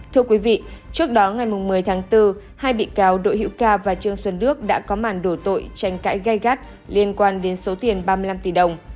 thưa quý vị trước đó ngày một mươi tháng bốn hai bị cáo đội hữu ca và trương xuân đức đã có màn đổ tội tranh cãi gây gắt liên quan đến số tiền ba mươi năm tỷ đồng